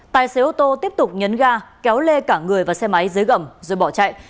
tài xế ô tô tiếp tục nhấn ga kéo lê cả người và xe máy dưới gầm rồi bỏ chạy